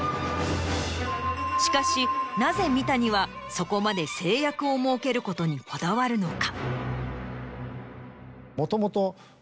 しかしなぜ三谷はそこまで制約を設けることにこだわるのか？